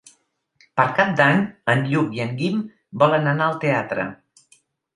Per Cap d'Any en Lluc i en Guim volen anar al teatre.